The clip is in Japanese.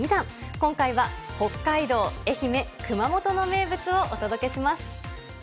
今回は北海道、愛媛、熊本の名物をお届けします。